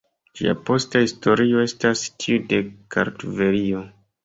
Ĝia posta historio estas tiu de Kartvelio.